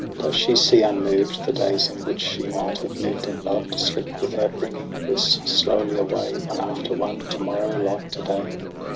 Does she see unmoved The days in which she might have lived and loved Slip without bringing bliss slowly away, One after one, to morrow like to day?